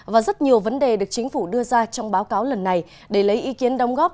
và rất nhiều vấn đề được chính phủ đưa ra trong báo cáo lần này để lấy ý kiến đóng góp